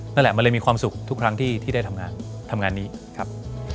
นั่นแหละมันเลยมีความสุขทุกครั้งที่ได้ทำงานทำงานนี้ครับ